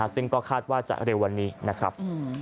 ซึ่งก็คาดว่าจะเร็ววันนี้นะครับ